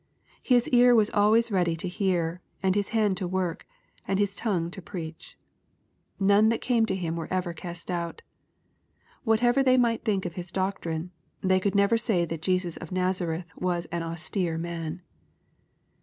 His ear was always ready / to hear, and His hand to work, and His tongue to preach. / None that came to Him were ever cast out. Whatever they might think of His doctrine, they could never say that Jesus of Nazareth was ^* an austere man.